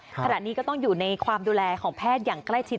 ขณะนี้ก็ต้องอยู่ในความดูแลของแพทย์อย่างใกล้ชิด